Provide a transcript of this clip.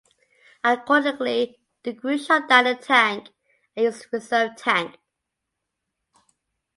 Accordingly, the crew shut down the tank and used a reserve tank.